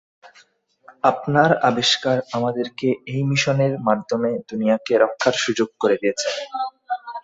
আপনার আবিষ্কার আমাদেরকে এই মিশনের মাধ্যমে দুনিয়াকে রক্ষার সুযোগ করে দিয়েছে।